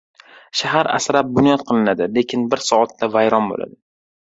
Shahar asrlab bunyod qilinadi, lekin bir soatda vayron bo‘ladi.